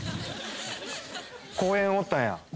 公園おったんや。